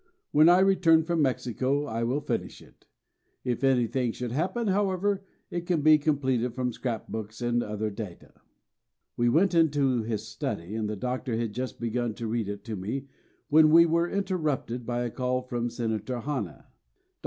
When I return from Mexico I will finish it. If anything should happen, however, it can be completed from scrapbooks and other data." We went into his study and the Doctor had just begun to read it to me when we were interrupted by a call from Senator Hanna. Dr.